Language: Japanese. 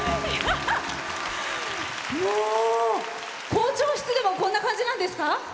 校長室でもこんな感じなんですか？